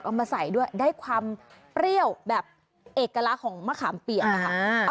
มาใส่ด้วยได้ความเปรี้ยวแบบเอกลักษณ์ของมะขามเปียกนะคะ